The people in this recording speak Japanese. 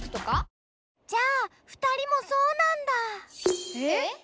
じゃあ２人もそうなんだ。え？